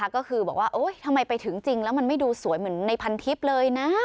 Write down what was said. ก็คือบอกว่าทำไมไปถึงจริงแล้วมันไม่ดูสวยเหมือนในพันทิพย์เลยนะ